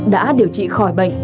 đã điều trị khỏi bệnh